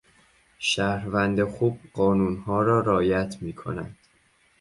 شهروند خوب قانونها را رعایت میکند.